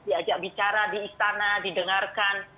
diajak bicara di istana didengarkan